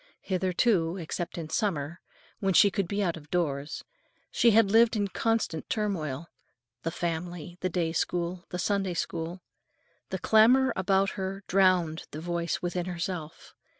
Hitherto, except in summer, when she could be out of doors, she had lived in constant turmoil; the family, the day school, the Sunday School. The clamor about her drowned the voice within herself.